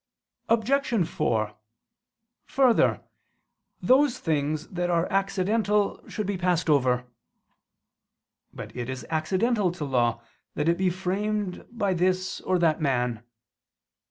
Obj. 4: Further, those things that are accidental should be passed over. But it is accidental to law that it be framed by this or that man.